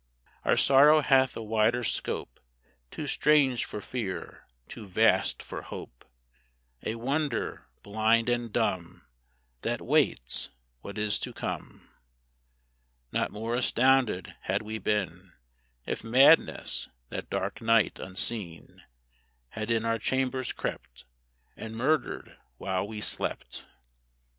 Our sorrow hath a wider scope, Too strange for fear, too vast for hope, A wonder, blind and dumb, That waits what is to come! Not more astounded had we been If Madness, that dark night, unseen, Had in our chambers crept, And murdered while we slept!